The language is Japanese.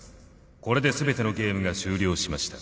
これで全てのゲームが終了しました。